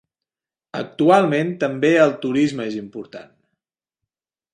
Actualment també el turisme és important.